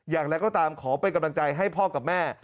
อย่างไรก็ตามขอเป็นกำลังใจให้พ่อกับแม่